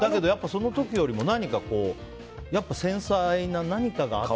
その時よりも繊細な何かが。